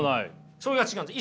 それが違うんです。